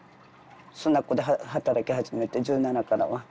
スナックで働き始めて１７からは。